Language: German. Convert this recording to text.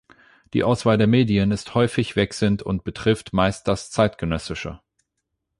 Die Auswahl der Medien ist häufig wechselnd und betrifft meist das Zeitgenössische.